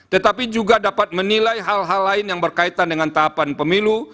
tetapi juga dapat menilai hal hal lain yang berkaitan dengan tahapan pemilu